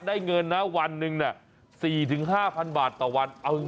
ได้เงินนะวันหนึ่ง๔๕๐๐บาทต่อวันเอาจริง